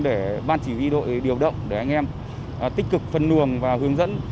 để ban chỉ huy đội điều động để anh em tích cực phân luồng và hướng dẫn